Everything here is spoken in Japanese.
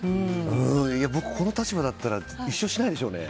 僕、この立場だったら一生しないでしょうね。